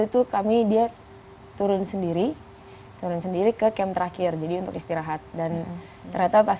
itu kami dia turun sendiri turun sendiri ke camp terakhir jadi untuk istirahat dan ternyata pas